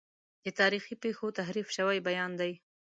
د تاریخي پیښو تحریف شوی بیان دی.